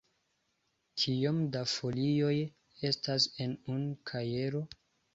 Kiom da folioj estas en unu kajero?